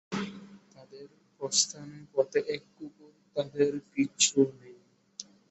তাঁদের প্রস্থানের পথে এক কুকুর তাঁদের পিছু নেয়।